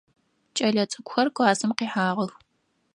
Кӏэлэцӏыкӏухэр классым къихьагъэх.